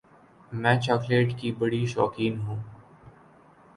میں چاکلیٹ کی بڑی شوقین ہوں۔